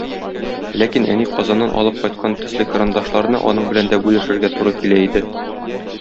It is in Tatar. Ләкин әни Казаннан алып кайткан төсле карандашларны аның белән дә бүлешергә туры килә иде.